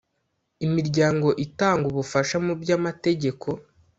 Imiryango itanga Ubufasha mu by Amategeko